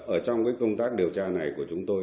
ở trong cái công tác điều tra này của chúng tôi